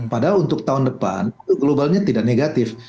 padahal untuk tahun depan itu globalnya tidak negatif